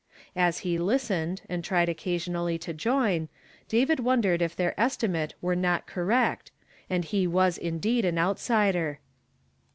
As he listened, and tried occasionally to join, David wondered if their estimate were not correct, and he was indeed an outsider.